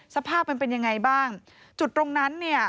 สภาพมันเป็นยังไงบ้างจุดตรงนั้นเนี่ย